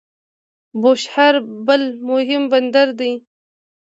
بوشهر بل مهم بندر دی.